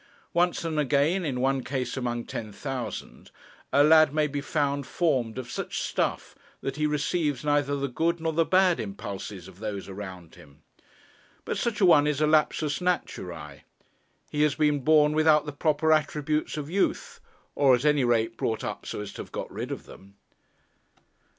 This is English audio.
Once and again, in one case among ten thousand, a lad may be found formed of such stuff, that he receives neither the good nor the bad impulses of those around him. But such a one is a lapsus naturae. He has been born without the proper attributes of youth, or at any rate, brought up so as to have got rid of them.